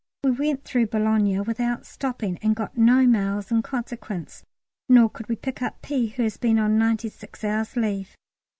We went through Boulogne without stopping, and got no mails in consequence; nor could we pick up P., who has been on ninety six hours' leave.